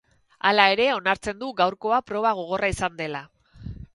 Hala ere onartzen du gaurkoa proba gogorra izan dela.